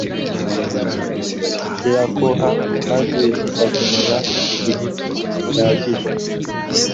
zikaruha, maze zigakenera igihe gihagije